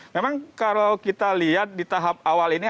memang kalau kita lihat di tahap awal ini